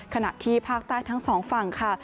ขณะที่ภาคใต้ทั้งสองฝั่งค่ะ